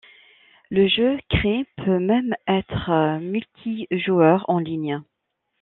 Le jeu créé peut même être multijoueur en ligne.